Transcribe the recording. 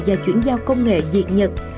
và chuyển giao công nghệ việt nhật